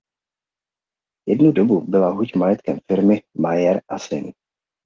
Jednu dobu byla huť majetkem firmy Mayer a syn.